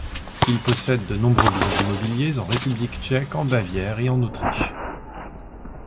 Il possède de nombreux biens immobiliers en République tchèque, en Bavière et en Autriche.